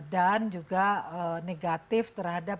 dan juga negatif terhadap